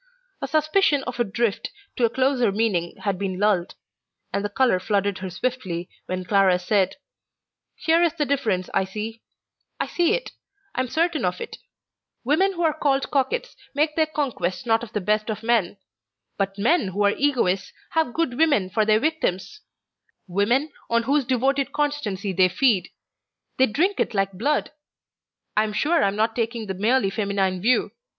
A suspicion of a drift to a closer meaning had been lulled, and the colour flooded her swiftly when Clara said: "Here is the difference I see; I see it; I am certain of it: women who are called coquettes make their conquests not of the best of men; but men who are Egoists have good women for their victims; women on whose devoted constancy they feed; they drink it like blood. I am sure I am not taking the merely feminine view.